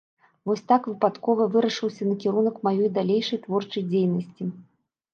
Вось так выпадкова вырашыўся накірунак маёй далейшай творчай дзейнасці.